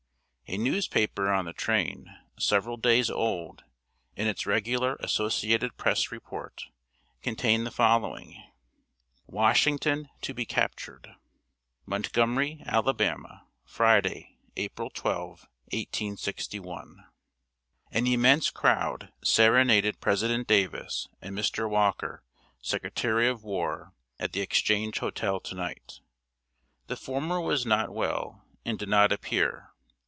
A newspaper on the train, several days old, in its regular Associated Press report, contained the following: [Sidenote: WASHINGTON TO BE CAPTURED.] MONTGOMERY, Ala., Friday, April 12, 1861. An immense crowd serenaded President Davis and Mr. Walker, Secretary of War, at the Exchange Hotel to night. The former was not well, and did not appear.